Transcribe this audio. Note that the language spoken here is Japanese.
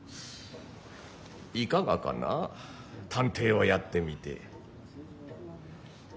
いかがかな探偵をやってみて。